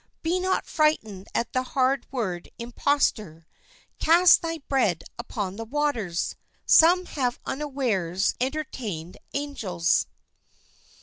Be not frightened at the hard word, "impostor." "Cast thy bread upon the waters." Some have unawares entertained angels.